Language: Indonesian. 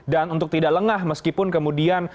dan untuk tidak lengah meskipun kemudian